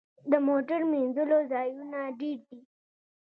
د موټر مینځلو ځایونه ډیر دي؟